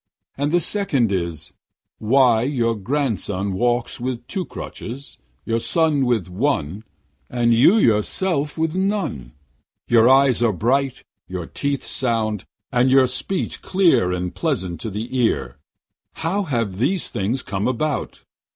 And the second is, Why your grandson walks with two crutches, your son with one, and you yourself with none? Your eyes are bright, your teeth sound, and your speech clear and pleasant to the ear. How have these things come about?'